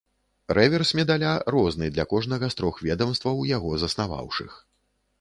Рэверс медаля розны для кожнага з трох ведамстваў, яго заснаваўшых.